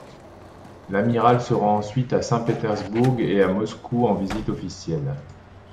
L'amiral se rend ensuite à Saint-Pétersbourg et à Moscou en visite officielle.